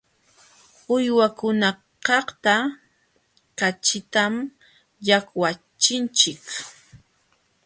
Uywakunakaqta kaćhitam llaqwachinchik.